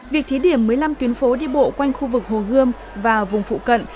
việc thí điểm một mươi năm tuyến phố đi bộ quanh khu vực hồ gươm và vùng phụ cận